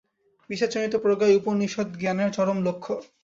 বিচারজনিত প্রজ্ঞাই উপনিষদ্-জ্ঞানের চরম লক্ষ্য।